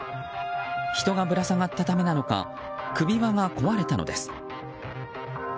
人がぶら下がったためなのか首輪が壊れたのです。